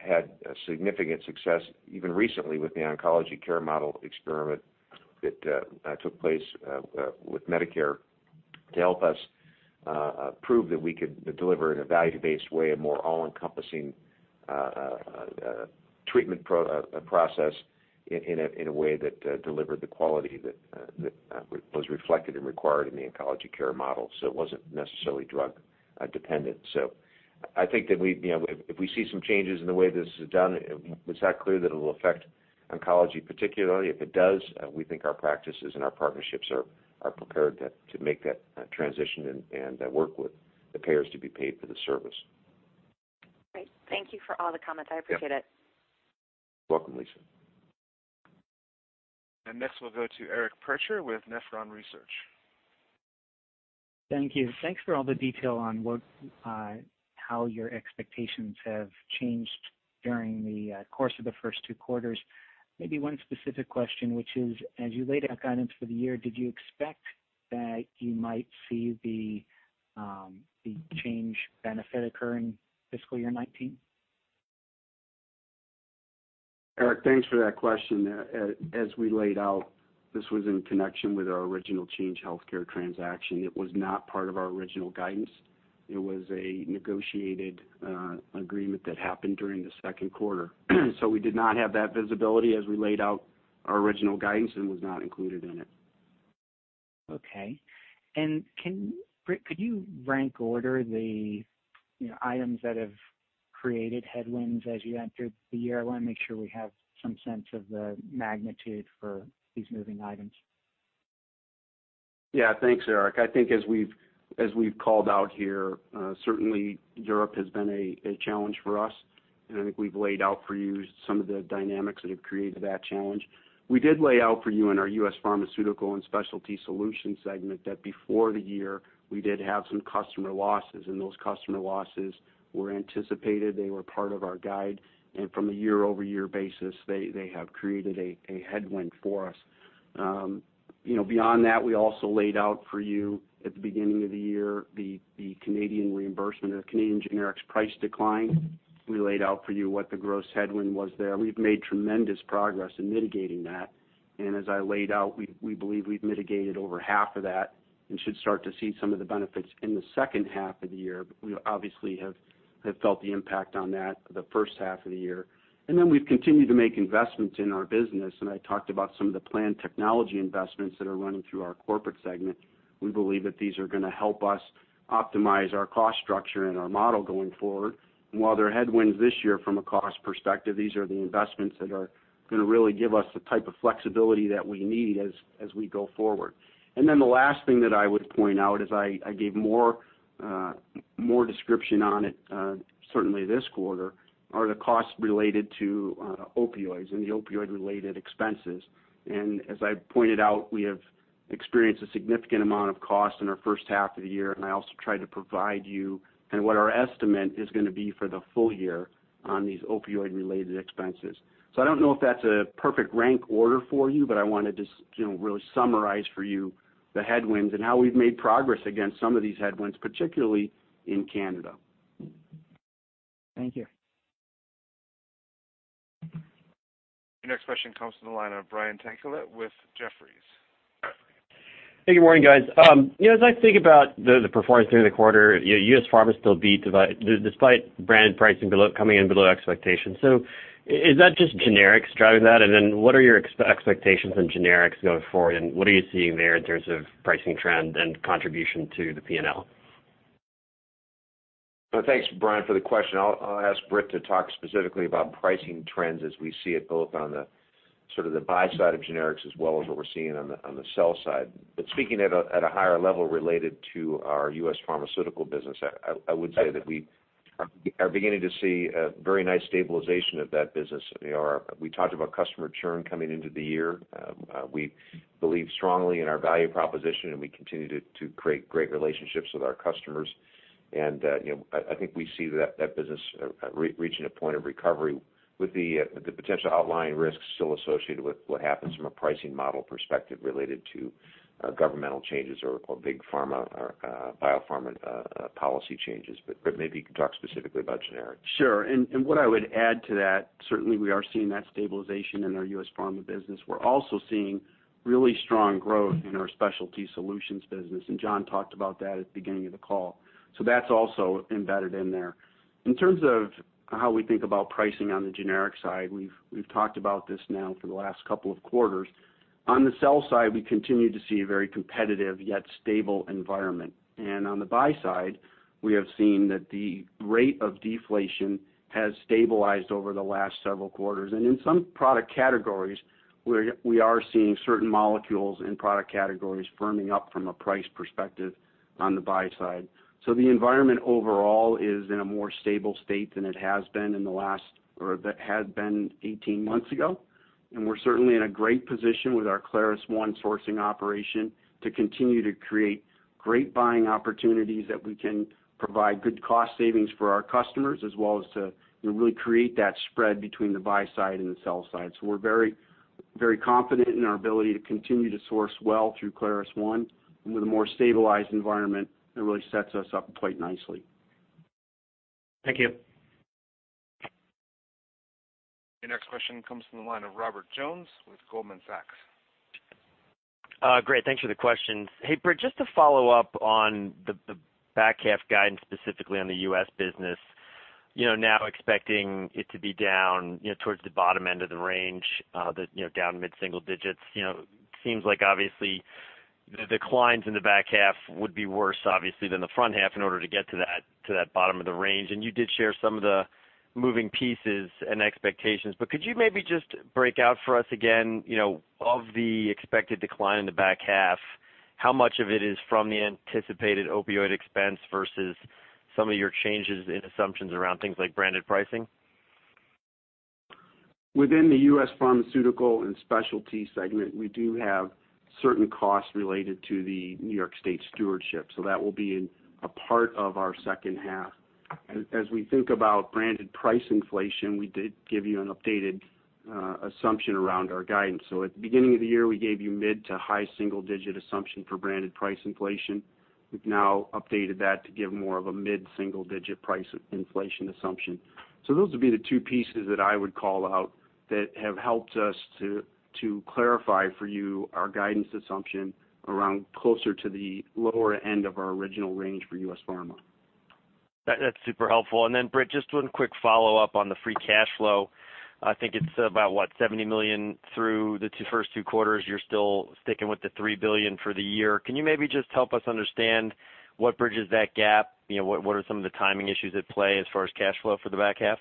had significant success even recently with the Oncology Care Model experiment that took place with Medicare to help us prove that we could deliver in a value-based way, a more all-encompassing treatment process in a way that delivered the quality that was reflected and required in the Oncology Care Model. It wasn't necessarily drug-dependent. I think that if we see some changes in the way this is done, it's not clear that it'll affect oncology, particularly. If it does, we think our practices and our partnerships are prepared to make that transition and work with the payers to be paid for the service. Great. Thank you for all the comments. I appreciate it. Yep. Welcome, Lisa. Next, we'll go to Eric Percher with Nephron Research. Thank you. Thanks for all the detail on how your expectations have changed during the course of the first two quarters. Maybe one specific question, which is, as you laid out guidance for the year, did you expect that you might see the Change benefit occur in fiscal year 2019? Eric, thanks for that question. As we laid out, this was in connection with our original Change Healthcare transaction. It was not part of our original guidance. It was a negotiated agreement that happened during the second quarter. We did not have that visibility as we laid out our original guidance, and was not included in it. Okay. Could you rank order the items that have created headwinds as you entered the year? I want to make sure we have some sense of the magnitude for these moving items. Yeah, thanks, Eric. I think as we've called out here, certainly Europe has been a challenge for us, and I think we've laid out for you some of the dynamics that have created that challenge. We did lay out for you in our U.S. Pharmaceutical and Specialty Solutions segment that before the year, we did have some customer losses, and those customer losses were anticipated. They were part of our guide. From a year-over-year basis, they have created a headwind for us. Beyond that, we also laid out for you at the beginning of the year, the Canadian reimbursement or Canadian generics price decline. We laid out for you what the gross headwind was there. We've made tremendous progress in mitigating that. As I laid out, we believe we've mitigated over half of that and should start to see some of the benefits in the second half of the year. We obviously have felt the impact on that the first half of the year. We've continued to make investments in our business, and I talked about some of the planned technology investments that are running through our corporate segment. We believe that these are going to help us optimize our cost structure and our model going forward. While they're headwinds this year from a cost perspective, these are the investments that are going to really give us the type of flexibility that we need as we go forward. The last thing that I would point out is, I gave more description on it certainly this quarter, are the costs related to opioids and the opioid-related expenses. As I pointed out, we have experienced a significant amount of cost in our first half of the year, and I also tried to provide you in what our estimate is going to be for the full year on these opioid-related expenses. I don't know if that's a perfect rank order for you, but I wanted to just really summarize for you the headwinds and how we've made progress against some of these headwinds, particularly in Canada. Thank you. Your next question comes from the line of Brian Tanquilut with Jefferies. Hey, good morning, guys. As I think about the performance during the quarter, U.S. Pharma still beat despite brand pricing coming in below expectations. Is that just generics driving that? What are your expectations on generics going forward, and what are you seeing there in terms of pricing trend and contribution to the P&L? Thanks, Brian, for the question. I'll ask Britt to talk specifically about pricing trends as we see it, both on the buy side of generics as well as what we're seeing on the sell side. Speaking at a higher level related to our U.S. pharmaceutical business, I would say that we are beginning to see a very nice stabilization of that business. We talked about customer churn coming into the year. We believe strongly in our value proposition, and we continue to create great relationships with our customers. I think we see that business reaching a point of recovery with the potential outlying risks still associated with what happens from a pricing model perspective related to governmental changes or big pharma or biopharma policy changes. Britt, maybe you can talk specifically about generics. Sure. What I would add to that, certainly we are seeing that stabilization in our U.S. Pharma business. We're also seeing really strong growth in our Specialty Solutions business, and John talked about that at the beginning of the call. That's also embedded in there. In terms of how we think about pricing on the generic side, we've talked about this now for the last couple of quarters. On the sell side, we continue to see a very competitive yet stable environment. On the buy side, we have seen that the rate of deflation has stabilized over the last several quarters. In some product categories, we are seeing certain molecules and product categories firming up from a price perspective on the buy side. The environment overall is in a more stable state than it has been 18 months ago. We're certainly in a great position with our ClarusONE sourcing operation to continue to create great buying opportunities that we can provide good cost savings for our customers, as well as to really create that spread between the buy side and the sell side. We're very Very confident in our ability to continue to source well through ClarusONE, and with a more stabilized environment, it really sets us up quite nicely. Thank you. Your next question comes from the line of Robert Jones with Goldman Sachs. Great. Thanks for the questions. Hey, Britt, just to follow up on the back half guidance, specifically on the U.S. business. Now expecting it to be down towards the bottom end of the range, down mid-single digits. Seems like, obviously, the declines in the back half would be worse, obviously, than the front half in order to get to that bottom of the range. You did share some of the moving pieces and expectations, but could you maybe just break out for us again, of the expected decline in the back half, how much of it is from the anticipated opioid expense versus some of your changes in assumptions around things like branded pricing? Within the U.S. Pharmaceutical and Specialty Solutions segment, we do have certain costs related to the New York State stewardship, that will be a part of our second half. As we think about branded price inflation, we did give you an updated assumption around our guidance. At the beginning of the year, we gave you mid- to high single-digit assumption for branded price inflation. We've now updated that to give more of a mid-single-digit price inflation assumption. Those would be the two pieces that I would call out that have helped us to clarify for you our guidance assumption around closer to the lower end of our original range for U.S. Pharma. That's super helpful. Britt, just one quick follow-up on the free cash flow. I think it's about, what, $70 million through the first two quarters. You're still sticking with the $3 billion for the year. Can you maybe just help us understand what bridges that gap? What are some of the timing issues at play as far as cash flow for the back half?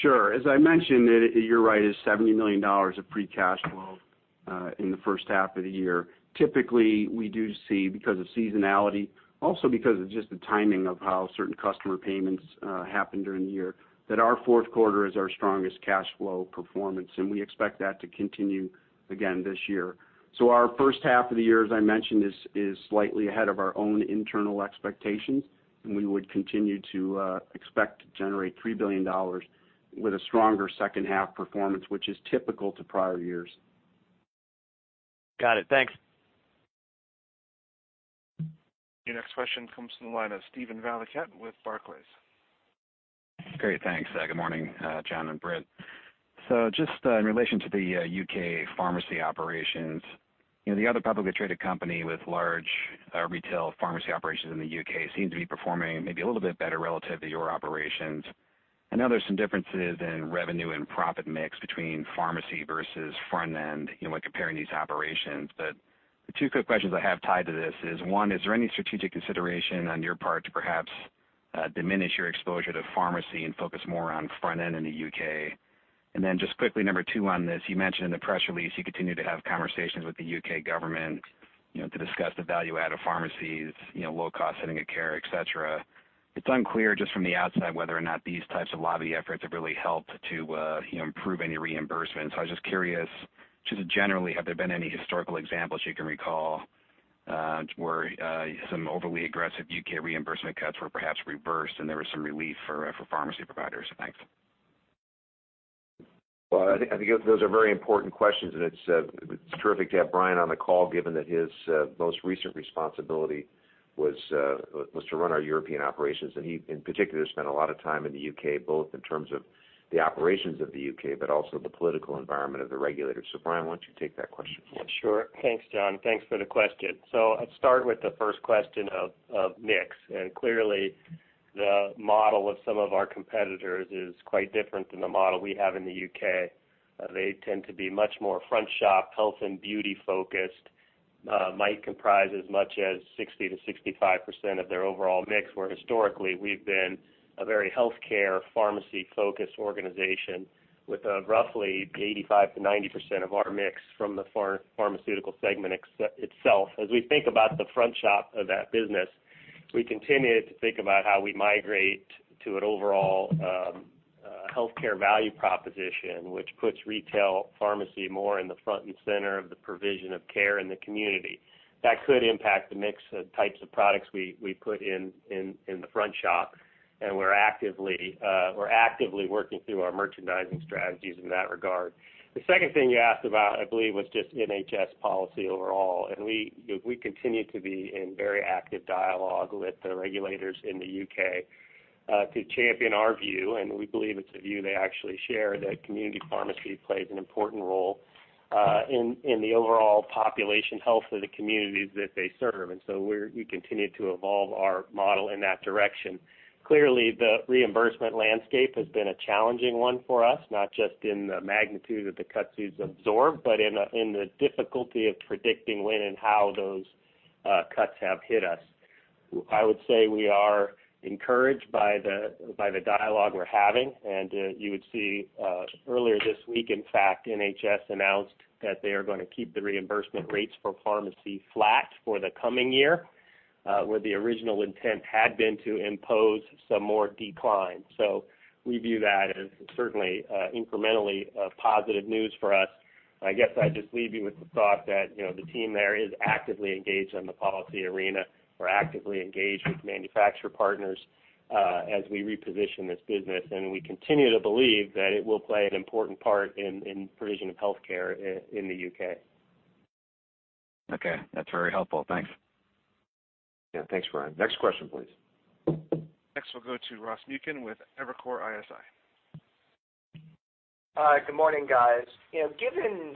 Sure. As I mentioned, you're right, it's $70 million of free cash flow in the first half of the year. Typically, we do see, because of seasonality, also because of just the timing of how certain customer payments happen during the year, that our fourth quarter is our strongest cash flow performance, and we expect that to continue again this year. Our first half of the year, as I mentioned, is slightly ahead of our own internal expectations, and we would continue to expect to generate $3 billion with a stronger second half performance, which is typical to prior years. Got it. Thanks. Your next question comes from the line of Steven Valiquette with Barclays. Great. Thanks. Good morning, John and Britt. Just in relation to the U.K. pharmacy operations, the other publicly traded company with large retail pharmacy operations in the U.K. seem to be performing maybe a little bit better relative to your operations. I know there's some differences in revenue and profit mix between pharmacy versus front-end when comparing these operations. The two quick questions I have tied to this is, one, is there any strategic consideration on your part to perhaps diminish your exposure to pharmacy and focus more on front-end in the U.K.? Then just quickly, number 2 on this, you mentioned in the press release you continue to have conversations with the U.K. government to discuss the value-add of pharmacies, low-cost setting of care, et cetera. It's unclear just from the outside whether or not these types of lobby efforts have really helped to improve any reimbursement. I was just curious, just generally, have there been any historical examples you can recall, where some overly aggressive U.K. reimbursement cuts were perhaps reversed and there was some relief for pharmacy providers? Thanks. Well, I think those are very important questions. It's terrific to have Brian on the call, given that his most recent responsibility was to run our European operations. He, in particular, spent a lot of time in the U.K., both in terms of the operations of the U.K., also the political environment of the regulators. Brian, why don't you take that question? Sure. Thanks, John. Thanks for the question. I'll start with the first question of mix. Clearly, the model of some of our competitors is quite different than the model we have in the U.K. They tend to be much more front shop, health, and beauty-focused, might comprise as much as 60%-65% of their overall mix, where historically we've been a very healthcare, pharmacy-focused organization with roughly 85%-90% of our mix from the pharmaceutical segment itself. As we think about the front shop of that business, we continue to think about how we migrate to an overall healthcare value proposition, which puts retail pharmacy more in the front and center of the provision of care in the community. That could impact the mix of types of products we put in the front shop, and we're actively working through our merchandising strategies in that regard. The second thing you asked about, I believe, was just NHS policy overall. We continue to be in very active dialogue with the regulators in the U.K., to champion our view, and we believe it's a view they actually share, that community pharmacy plays an important role, in the overall population health of the communities that they serve. We continue to evolve our model in that direction. Clearly, the reimbursement landscape has been a challenging one for us, not just in the magnitude that the cuts we've absorbed, but in the difficulty of predicting when and how those cuts have hit us. I would say we are encouraged by the dialogue we're having. You would see, earlier this week, in fact, NHS announced that they are going to keep the reimbursement rates for pharmacy flat for the coming year, where the original intent had been to impose some more decline. We view that as certainly incrementally positive news for us. I guess I'd just leave you with the thought that the team there is actively engaged in the policy arena. We're actively engaged with manufacturer partners as we reposition this business, and we continue to believe that it will play an important part in provision of healthcare in the U.K. Okay. That's very helpful. Thanks. Yeah, thanks, Ryan. Next question, please. Next, we'll go to Ross Muken with Evercore ISI. Hi, good morning, guys. Given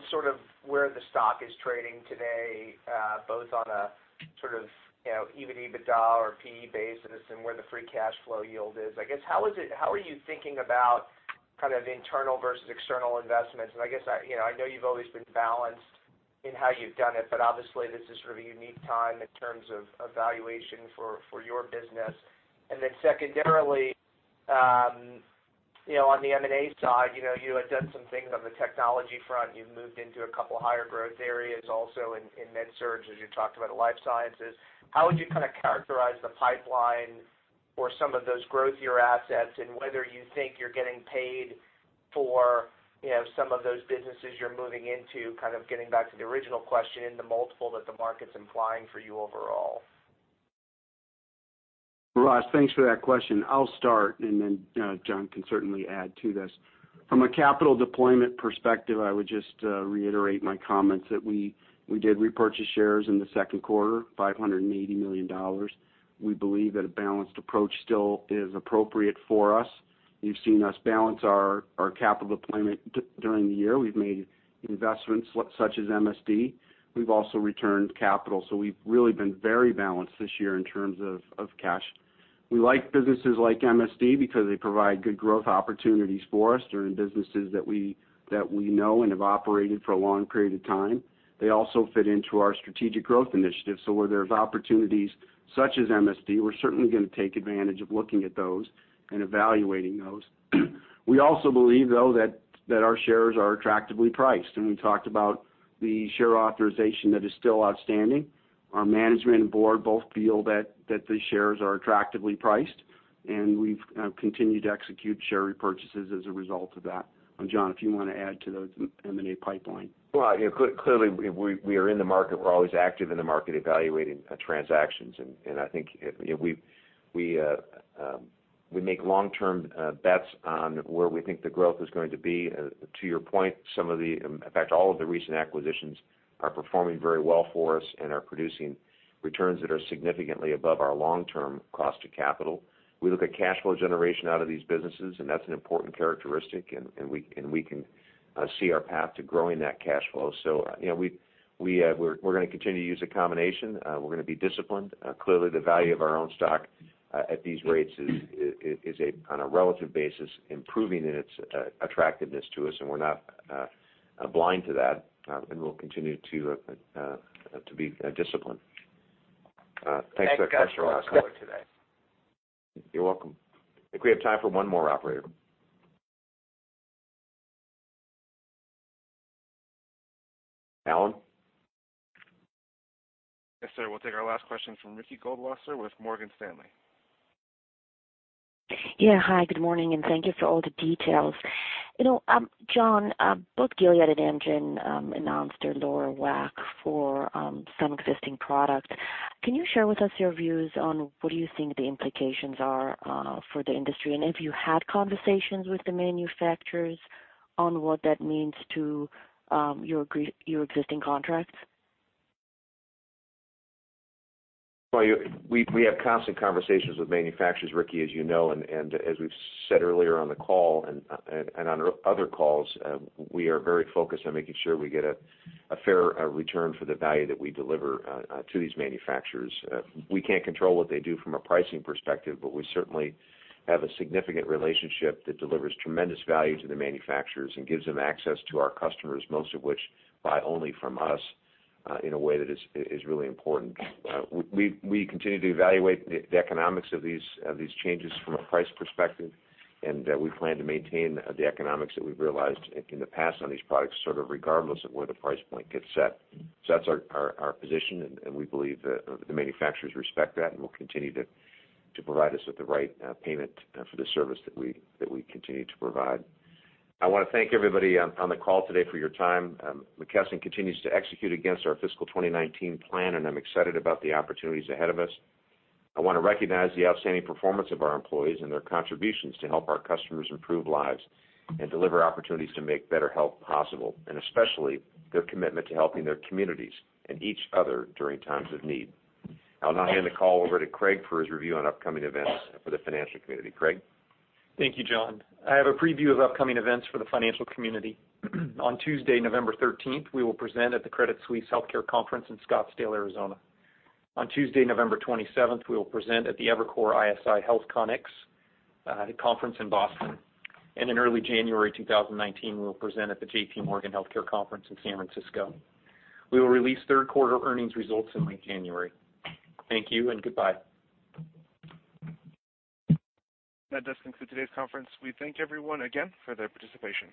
where the stock is trading today, both on a sort of EBITDA or PE basis and where the free cash flow yield is, how are you thinking about internal versus external investments? I know you've always been balanced in how you've done it, but obviously, this is sort of a unique time in terms of valuation for your business. Secondarily, on the M&A side, you had done some things on the technology front. You've moved into a couple higher growth areas also in med surg, as you talked about life sciences. How would you characterize the pipeline for some of those growthier assets, and whether you think you're getting paid for some of those businesses you're moving into, kind of getting back to the original question and the multiple that the market's implying for you overall? Ross, thanks for that question. I'll start, and then John can certainly add to this. From a capital deployment perspective, I would just reiterate my comments that we did repurchase shares in the second quarter, $580 million. We believe that a balanced approach still is appropriate for us. You've seen us balance our capital deployment during the year. We've made investments such as MSD. We've also returned capital. We've really been very balanced this year in terms of cash. We like businesses like MSD because they provide good growth opportunities for us. They're in businesses that we know and have operated for a long period of time. They also fit into our strategic growth initiatives. Where there's opportunities such as MSD, we're certainly going to take advantage of looking at those and evaluating those. We also believe, though, that our shares are attractively priced, and we talked about the share authorization that is still outstanding. Our management and board both feel that the shares are attractively priced, and we've continued to execute share repurchases as a result of that. John, if you want to add to the M&A pipeline. Clearly, we are in the market. We're always active in the market evaluating transactions. I think we make long-term bets on where we think the growth is going to be. To your point, in fact, all of the recent acquisitions are performing very well for us and are producing returns that are significantly above our long-term cost of capital. We look at cash flow generation out of these businesses, and that's an important characteristic, and we can see our path to growing that cash flow. We're going to continue to use a combination. We're going to be disciplined. Clearly, the value of our own stock at these rates is, on a relative basis, improving in its attractiveness to us. We're not blind to that, and we'll continue to be disciplined. Thanks for that question, Ross. Thanks, John. Thanks for the call today. You're welcome. I think we have time for one more, Operator. Alan? Yes, sir. We'll take our last question from Ricky Goldwasser with Morgan Stanley. Yeah. Hi, good morning, and thank you for all the details. John, both Gilead and Amgen announced their lower WAC for some existing product. Can you share with us your views on what you think the implications are for the industry, and if you had conversations with the manufacturers on what that means to your existing contracts? Well, we have constant conversations with manufacturers, Ricky, as you know, and as we've said earlier on the call and on other calls, we are very focused on making sure we get a fair return for the value that we deliver to these manufacturers. We can't control what they do from a pricing perspective, but we certainly have a significant relationship that delivers tremendous value to the manufacturers and gives them access to our customers, most of which buy only from us, in a way that is really important. We continue to evaluate the economics of these changes from a price perspective, and we plan to maintain the economics that we've realized in the past on these products, sort of regardless of where the price point gets set. That's our position, and we believe that the manufacturers respect that and will continue to provide us with the right payment for the service that we continue to provide. I want to thank everybody on the call today for your time. McKesson continues to execute against our fiscal 2019 plan, and I'm excited about the opportunities ahead of us. I want to recognize the outstanding performance of our employees and their contributions to help our customers improve lives and deliver opportunities to make better health possible, and especially their commitment to helping their communities and each other during times of need. I'll now hand the call over to Craig for his review on upcoming events for the financial community. Craig? Thank you, John. I have a preview of upcoming events for the financial community. On Tuesday, November 13th, we will present at the Credit Suisse Healthcare Conference in Scottsdale, Arizona. On Tuesday, November 27th, we will present at the Evercore ISI HealthCONx Conference in Boston. In early January 2019, we will present at the J.P. Morgan Healthcare Conference in San Francisco. We will release third quarter earnings results in late January. Thank you and goodbye. That does conclude today's conference. We thank everyone again for their participation.